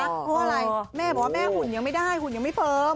เพราะว่าอะไรแม่บอกว่าแม่หุ่นยังไม่ได้หุ่นยังไม่เฟิร์ม